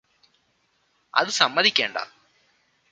അത് സമ്മതിക്കേണ്ട